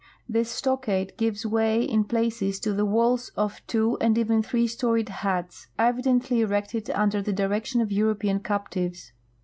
This stockade gives way in places to the walls of two and even three storied huts, evidently erected under tlie direction of European captives.